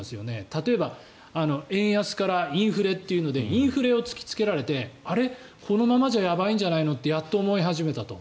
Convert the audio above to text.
例えば円安からインフレというのでインフレを突きつけられてあれ、このままじゃやばいんじゃないのってやっと思い始めたと。